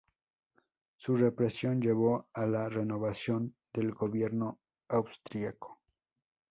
Su represión llevó a una renovación del gobierno austriaco.